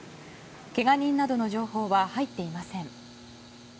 けが人などの情報は入っていません。